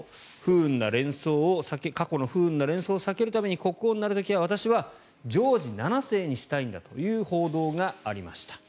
過去の不運な連想を避けるため国王になる際は、私はジョージ７世にしたいんだという報道がありました。